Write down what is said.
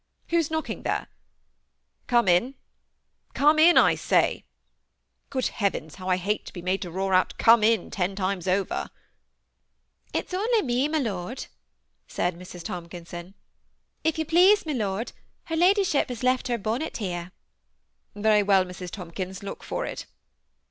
Who's knocking there ? Come in. Come in, I say. GU)od heavens, how I hate to be made to roar out * Come in ' ten times over !" It's only me, my lord," said Mrs. Tomkinson. " If you please, my lord, her ladyship has left her bonnet here." Very well, Mrs. Tomkins, look for it."